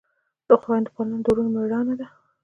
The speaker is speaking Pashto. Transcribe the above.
د خویندو پالنه د ورور مړانه ده.